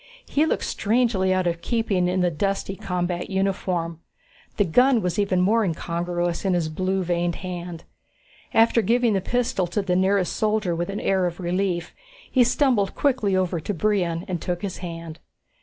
He looked strangely out of keeping in the dusty combat uniform. The gun was even more incongruous in his blue veined hand. After giving the pistol to the nearest soldier with an air of relief, he stumbled quickly over to Brion and took his hand.